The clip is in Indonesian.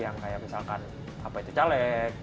yang kayak misalkan apa itu caleg